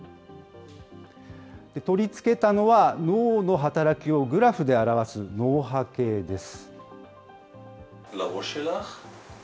取り着けたのは、脳の働きをグラフで表す脳波計です。